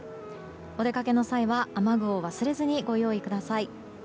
お出かけの際は雨具を忘れずにご用意ください。